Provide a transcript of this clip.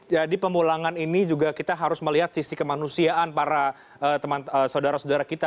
jadi pemulangan ini juga kita harus melihat sisi kemanusiaan para saudara saudara kita